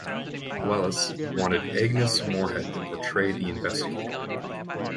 Welles wanted Agnes Moorehead to portray the investigator.